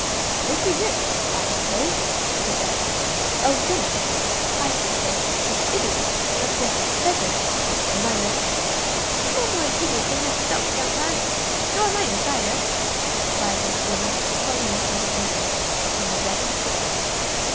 "This is it, I suppose," he said. "`A woman I should say an idiot left a pheasant, minus' " "No more a hidyot than yourself, young man, nor a minus neither," cried the woman, swelling with indignation, and red in the face.